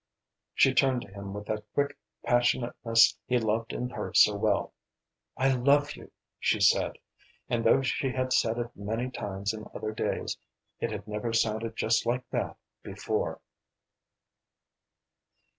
She turned to him with that quick passionateness he loved in her so well. "I love you," she said, and though she had said it many times in other days, it had never sounded just like that before.